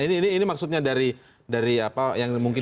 ini maksudnya dari apa yang mungkin